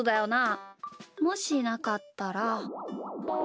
もしなかったら。